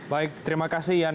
baik terima kasih yan